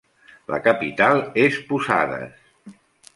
La capital és Posadas.